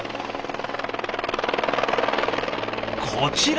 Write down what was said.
こちら！